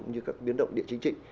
như các biến động địa chính trị